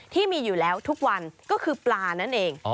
ที่มีอยู่แล้วทุกวันก็คือปลานั่นเอง